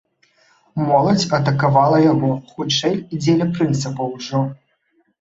Моладзь атакавала яго, хутчэй дзеля прынцыпу ўжо.